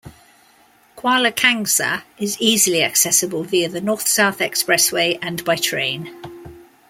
Kuala Kangsar is easily accessible via the North-South Expressway and by train.